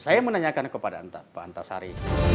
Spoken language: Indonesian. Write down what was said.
saya menanyakan kepada pak antasari